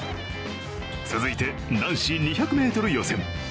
続いて男子２００ｍ予選。